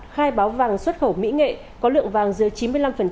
khai báo vàng xuất khẩu mỹ nghệ có lượng vàng dưới chín mươi năm